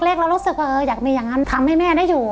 แรกเรารู้สึกว่าอยากมีอย่างนั้นทำให้แม่ได้อยู่